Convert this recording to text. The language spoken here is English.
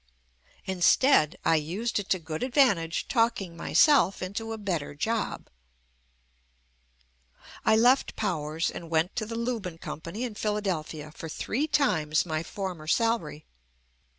Instead, I used it to good advantage talking myself into a better job. I left Powers and went to the Lubin Com pany in Philadelphia for three times my for mer salary.